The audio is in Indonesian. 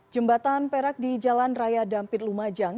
jembatan perak di jalan raya dampir lumajang